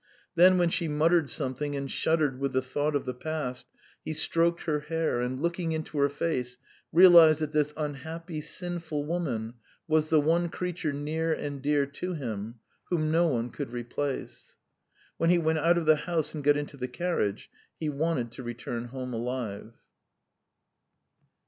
Then when she muttered something and shuddered with the thought of the past, he stroked her hair, and looking into her face, realised that this unhappy, sinful woman was the one creature near and dear to him, whom no one could replace. When he went out of the house and got into the carriage he wanted to return home alive.